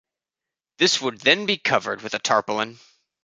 This would then be covered with a tarpaulin.